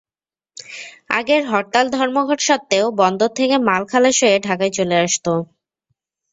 আগের হরতাল-ধর্মঘট সত্ত্বেও বন্দর থেকে মাল খালাস হয়ে ঢাকায় চলে আসত।